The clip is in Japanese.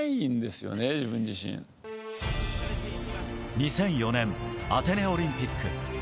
２００４年、アテネオリンピック。